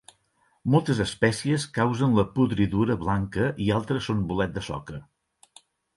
Moltes espècies causen la podridura blanca i altres són bolet de soca.